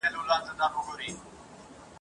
پر دې دنیا یې حوري نصیب سوې !.